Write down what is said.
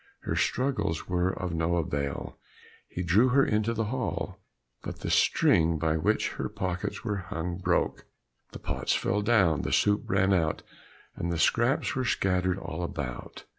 Her struggles were of no avail, he drew her into the hall; but the string by which her pockets were hung broke, the pots fell down, the soup ran out, and the scraps were scattered all about.